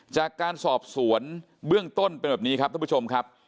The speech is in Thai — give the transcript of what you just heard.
จากการสอบสวนเบื้องต้นเป็นแบบนี้ครับท่านผู้ชมครับ